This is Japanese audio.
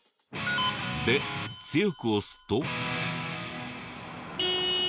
で強く押すと。